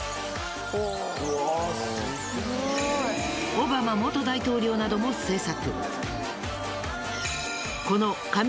オバマ元大統領なども制作。